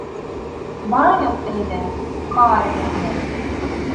Барайыҡ, әйҙә, Каа эргәһенә.